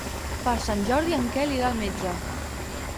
Per Sant Jordi en Quel irà al metge.